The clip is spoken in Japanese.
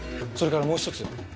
それからもう一つ。